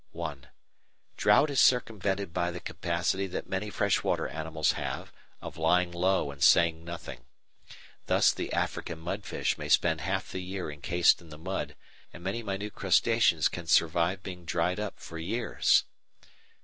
(1) Drought is circumvented by the capacity that many freshwater animals have of lying low and saying nothing. Thus the African mudfish may spend half the year encased in the mud, and many minute crustaceans can survive being dried up for years.